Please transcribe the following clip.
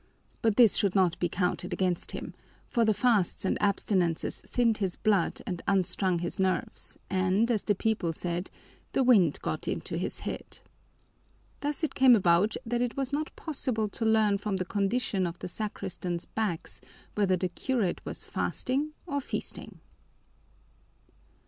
But this should not be counted against him, for the fasts and abstinences thinned his blood and unstrung his nerves and, as the people said, the wind got into his head. Thus it came about that it was not possible to learn from the condition of the sacristans' backs whether the curate was fasting or feasting.